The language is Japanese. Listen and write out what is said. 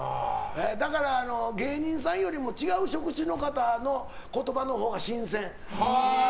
だから芸人さんよりも違う職種の方の言葉のほうが新鮮。